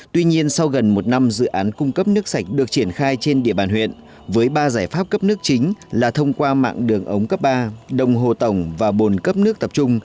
tuy nhiên sau gần một năm dự án cung cấp nước sạch được triển khai trên địa bàn huyện với ba giải pháp cấp nước chính là thông qua mạng đường ống cấp ba đồng hồ tổng và bồn cấp nước tập trung